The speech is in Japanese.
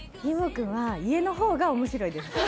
君は家の方が面白いです